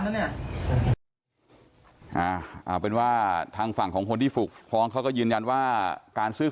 แล้วเนี่ยเอาเป็นว่าทางฝั่งของคนที่ฝึกฟ้องเขาก็ยืนยันว่าการซื้อ